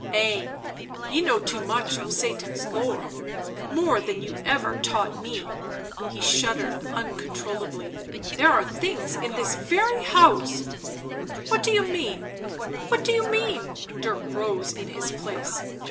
" Ay, ye know too much of Satan's lore — more than you ever taught me," he shuddered uncontrollably; " there are things in this very house " "What do you mean — what do you mean?" Dirk rose in his place.